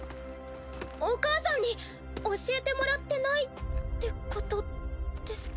お母さんに教えてもらってないってことですか？